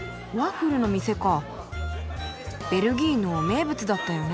ベルギーの名物だったよね。